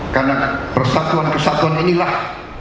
karena persatuan kesatuan inilah